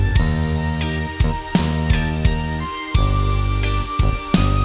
ก็ได้ออกครับ